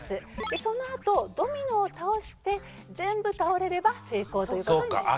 でそのあとドミノを倒して全部倒れれば成功という事になります。